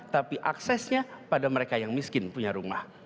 tapi aksesnya pada mereka yang miskin punya rumah